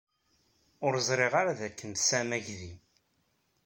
Ur ẓriɣ ara dakken tesɛam aydi.